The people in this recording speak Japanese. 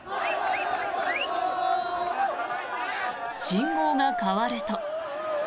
信号が変わると。